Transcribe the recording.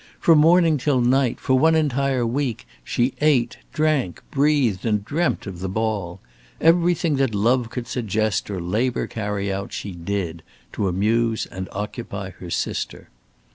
From morning till night, for one entire week, she ate, drank, breathed, and dreamt of the ball. Everything that love could suggest or labour carry out, she did, to amuse and occupy her sister.